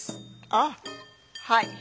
あっはい。